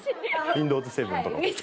Ｗｉｎｄｏｗｓ７とかも。